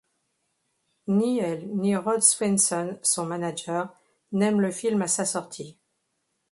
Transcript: Ni elle ni Rod Swenson, son manager, n'aiment le film à sa sortie.